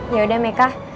ya udah mecah